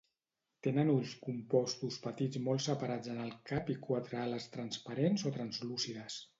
Tenen ulls compostos petits molt separats en el cap i quatre ales transparents o translúcides.